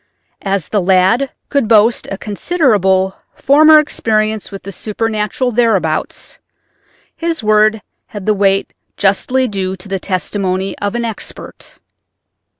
As the lad could boast a considerable former experience with the supernatural thereabouts his word had the weight justly due to the testimony of an expert.